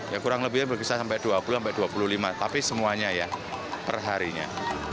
ya kurang lebih bisa sampai dua puluh sampai dua puluh lima tapi semuanya ya perharinya